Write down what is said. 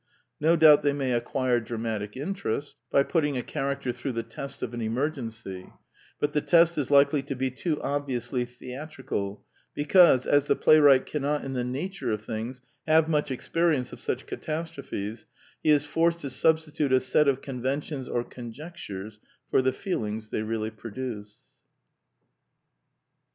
No doubt they may acquire dramatic interest by putting a character through the test of an emergency; but the test is likely to be too obviously theatrical, because, as the playwright cannot in the nature of things have much experience of such catastrophes, he is forced to substitute a set of conventions or conjectures for the feelings they really produce.